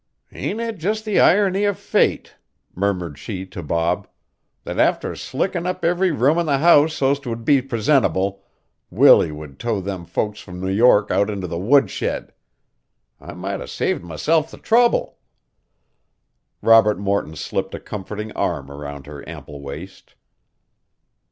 "Ain't it just the irony of fate," murmured she to Bob, "that after slickin' up every room in the house so'st it would be presentable, Willie should tow them folks from New York out into the woodshed? I might 'a' saved myself the trouble." Robert Morton slipped a comforting arm round her ample waist.